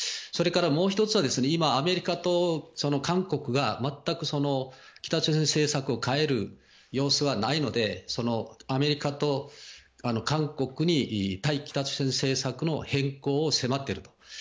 もう１つは、アメリカと韓国が北朝鮮の政策を変える様子がないのでアメリカと韓国に対北朝鮮政策の変更を迫っているということ。